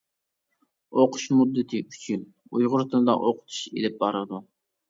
ئوقۇش مۇددىتى ئۈچ يىل، ئۇيغۇر تىلىدا ئوقۇتۇش ئېلىپ بارىدۇ.